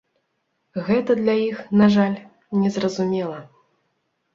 Гэта для іх, на жаль, не зразумела.